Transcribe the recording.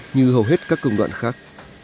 như hầu hết các công đoạn khác